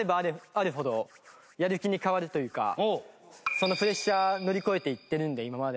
そのプレッシャー乗り越えていってるんで今まで。